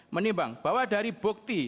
menimbang bahwa dari bukti